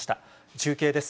中継です。